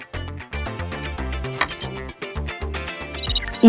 merupakan agenda prioritas dalam presiden indonesia